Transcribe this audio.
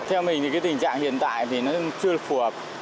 theo mình thì cái tình trạng hiện tại thì nó chưa phù hợp